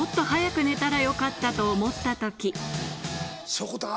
しょこたん